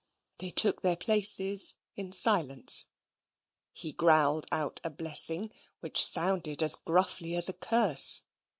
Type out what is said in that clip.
They took their places in silence. He growled out a blessing, which sounded as gruffly as a curse.